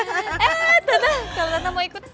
eh tante kalau tante mau ikut